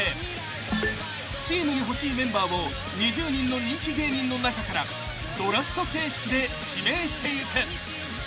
［チームに欲しいメンバーを２０人の人気芸人の中からドラフト形式で指名していく］